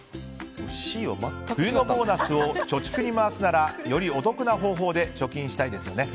冬のボーナスを貯蓄に回すならよりお得な方法で貯金したいですよね。